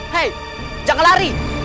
hei jangan lari